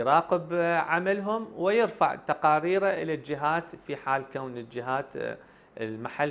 jadi kita berusaha untuk membiarkan mereka mengambil alihkan alihkan alihkan alihkan